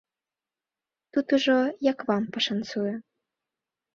Тут ужо як вам пашанцуе.